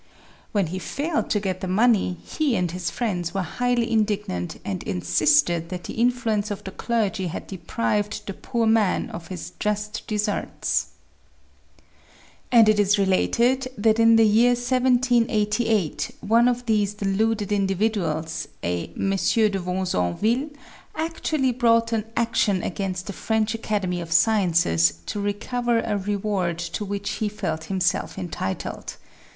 When he failed to get the money he and his friends were highly indignant and insisted that the influence of the clergy had deprived the poor man of his just deserts ! And it is related that in the year 1788, one of these de luded individuals, a M. de Vausenville, actually brought an 9 10 THE SEVEN FOLLIES OF SCIENCE action against the French Academy of Sciences to recover a reward to which he felt himself entitled.